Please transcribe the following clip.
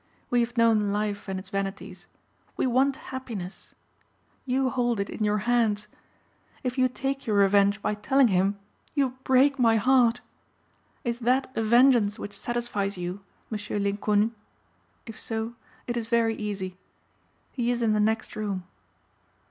We have known life and its vanities. We want happiness. You hold it in your hands. If you take your revenge by telling him, you break my heart. Is that a vengeance which satisfies you, Monsieur l'Inconnu? If so, it is very easy. He is in the next room.